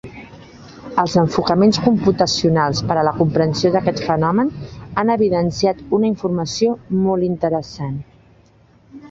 Els enfocaments computacionals per a la comprensió d’aquest fenomen han evidenciat una informació molt interessant.